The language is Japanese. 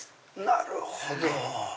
なるほど！